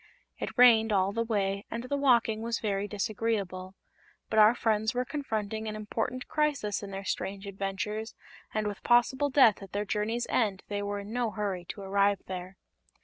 It rained all the way and the walking was very disagreeable; but our friends were confronting an important crisis in their strange adventures and with possible death at their journey's end they were in no hurry to arrive there.